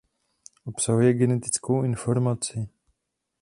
Obsahuje genetickou informaci.